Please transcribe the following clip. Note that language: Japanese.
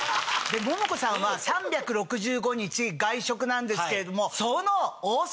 モモコさんは３６５日外食なんですけれどもその。